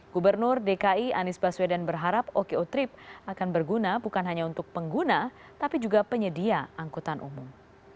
gubernur dki anies baswedan berharap oko trip akan berguna bukan hanya untuk pengguna tapi juga penyedia angkutan umum